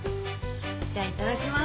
じゃあいただきます。